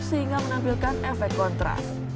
sehingga menampilkan efek kontras